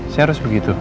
saya harus begitu